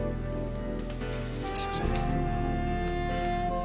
すいません。